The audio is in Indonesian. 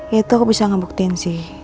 ya itu aku bisa ngebuktiin sih